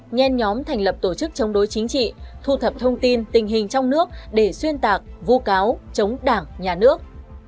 nhen nhóm thành lập tổ chức chống đối chính trị thu thập thông tin tình hình trong nước để xuyên tạc vu cáo chống đảng nhà nước